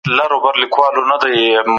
که ټپ ژور وي ډاکټر ته لاړ شئ.